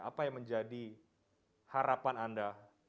apa yang menjadi harapan anda